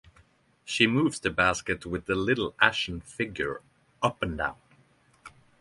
She moves the basket with the little ashen figure up and down.